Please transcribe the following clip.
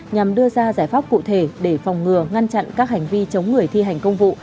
nhằm đưa ra giải pháp cụ thể để phòng ngừa ngăn chặn các hành vi chống người thi hành công vụ